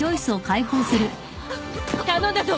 頼んだぞ。